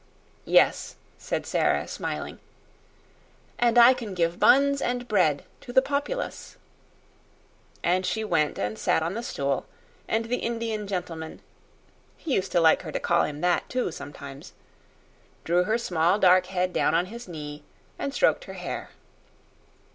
"Yes," said Sara, smiling; "and I can give buns and bread to the populace." And she went and sat on the stool, and the Indian gentleman (he used to like her to call him that, too, sometimes) drew her small dark head down on his knee and stroked her hair.